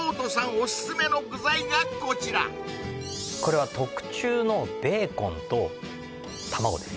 オススメの具材がこちらこれは特注のベーコンと卵です